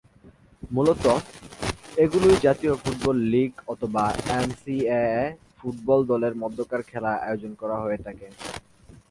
মূলতঃ এগুলোয় জাতীয় football league অথবা এনসিএএ ফুটবল দলের মধ্যকার খেলা আয়োজন করা হয়ে থাকে।